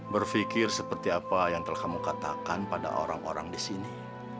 berpikir seperti apa yang telah kamu katakan pada orang orang di sini